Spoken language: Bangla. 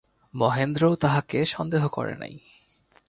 মহেন্দ্রও তাহাকে সন্দেহ করে নাই।